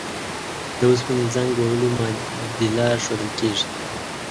د اوسپنې زنګ وهلو معادله ښودل کیږي.